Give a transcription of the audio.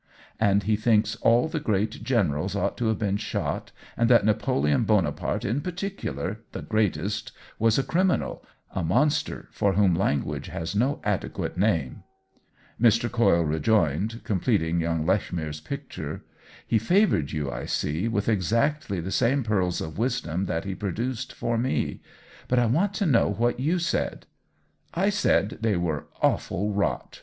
"And he thinks all the great generals ought to have been shot, and that Napoleon Bonaparte in particular, the greatest, was a criminal, a monster for whom language has no adequate name !" Mr. Coyle rejoined, completing young Lechmere's picture. " He favored you, I see, with exactly the same pearls of wisdom that he produced for me. But I want to know what you said." "I said they were awful rot!"